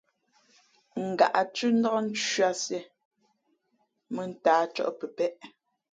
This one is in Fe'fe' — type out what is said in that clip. Ngǎʼ thʉ́ndák ncwíá sīē mᾱntāh cᾱʼ pəpēʼ.